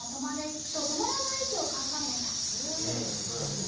うんそりゃそうだ。